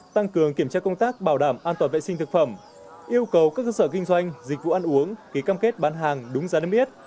tăng cường kiểm tra công tác bảo đảm an toàn vệ sinh thực phẩm yêu cầu các cơ sở kinh doanh dịch vụ ăn uống ký cam kết bán hàng đúng giá niêm yết